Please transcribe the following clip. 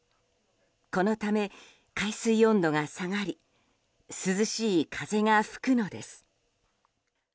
このため、海水温度が下がり涼しい風が吹くのです。